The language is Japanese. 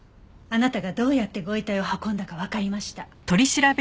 あなたがどうやってご遺体を運んだかわかりました。